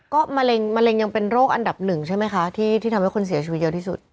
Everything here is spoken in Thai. ก็มะเร็งยังเป็นโรคอันดับหนึ่งใช่ไหมคะที่ทำให้คนเสียชีวิตเยอะที่สุด